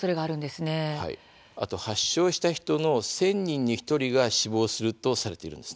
発症した人の１０００人に１人が死亡するとされています。